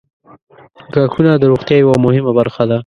• غاښونه د روغتیا یوه مهمه برخه ده.